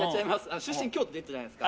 出身京都って言ったじゃないですか。